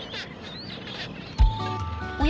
おや？